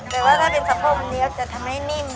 แต่ว่าถ้าเป็นสะโพกเลี้ยวจะทำให้นิ่ม